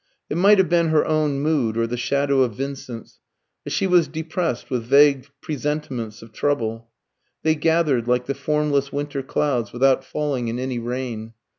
It might have been her own mood, or the shadow of Vincent's, but she was depressed with vague presentiments of trouble. They gathered like the formless winter clouds, without falling in any rain.